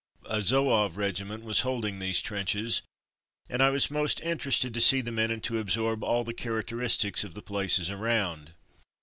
A Zouave regiment was holding these trenches, and I was most interested to see the men and to absorb all the characteristics of the places around.